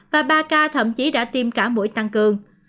và ba ca thậm chí đã tiêm cả mũi tăng cường